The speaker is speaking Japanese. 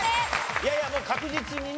いやいやもう確実にね。